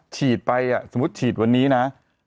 ฉีดไปสมมุติฉีดวันนี้นะ